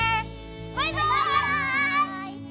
バイバイ！